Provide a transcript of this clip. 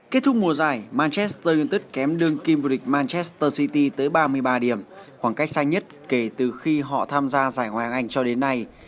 kết thúc mùa giải manchester united kém đương kim vụ địch manchester city tới ba mươi ba điểm khoảng cách xa nhất kể từ khi họ tham gia giải hoàng anh cho đến nay